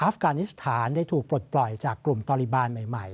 ฟกานิสถานได้ถูกปลดปล่อยจากกลุ่มตอลิบาลใหม่